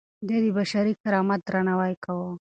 ده د بشري کرامت درناوی کاوه.